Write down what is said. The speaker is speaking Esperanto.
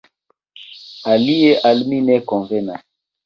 Alie al mi ne konvenas.